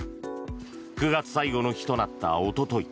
９月最後の日となったおととい